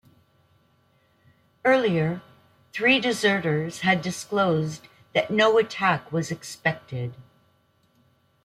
Earlier, three deserters had disclosed that no attack was expected.